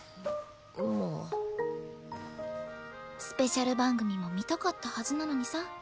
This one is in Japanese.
スペシャル番組も見たかったはずなのにさ。